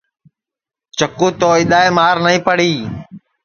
چکُو تو اِدؔائے مار نائی پڑی